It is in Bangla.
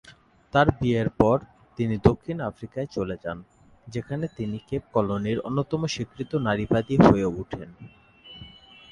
তার বিয়ের পর, তিনি দক্ষিণ আফ্রিকায় চলে যান, যেখানে তিনি কেপ কলোনির অন্যতম স্বীকৃত নারীবাদী হয়ে ওঠেন।